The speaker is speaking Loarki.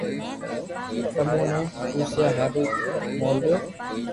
تمو ني پوسيا ھارو مو ليو